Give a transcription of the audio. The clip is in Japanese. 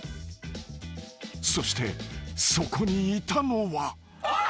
［そしてそこにいたのは］